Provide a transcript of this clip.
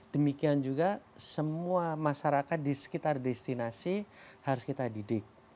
demikian juga semua masyarakat di sekitar destinasi harus kita didik